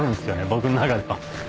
僕の中では。